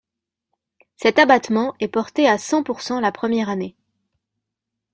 Cet abattement est porté à cent pourcent la première année.